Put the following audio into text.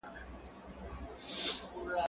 زه مڼې نه خورم،